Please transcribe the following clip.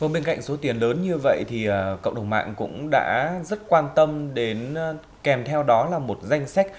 bên cạnh số tiền lớn như vậy thì cộng đồng mạng cũng đã rất quan tâm đến kèm theo đó là một danh sách